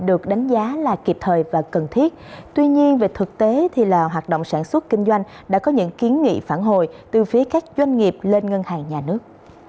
được đánh giá là kịp thời và cần thiết tuy nhiên về thực tế thì là hoạt động sản xuất kinh doanh đã có những kiến nghị phản hồi từ phía các doanh nghiệp lên ngân hàng nhà nước